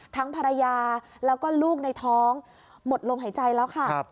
ภรรยาแล้วก็ลูกในท้องหมดลมหายใจแล้วค่ะ